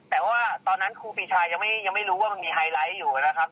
แต่ว่าตอนนั้นครูปีชายังไม่รู้ว่ามันมีไฮไลท์อยู่นะครับ